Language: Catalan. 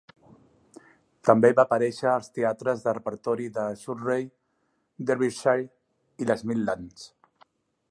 També va aparèixer als teatres de repertori de Surrey, Derbyshire i les Midlands.